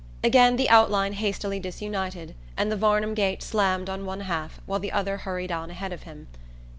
Again the outline hastily disunited and the Varnum gate slammed on one half while the other hurried on ahead of him.